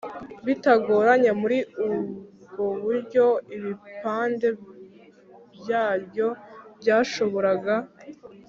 Bitagoranye muri ubwo buryo ibipande byaryo byashoboraga